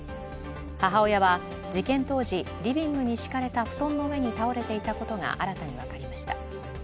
母親は事件当時、リビングに敷かれた布団の上に倒れていたことが新たに分かりました。